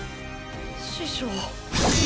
師匠。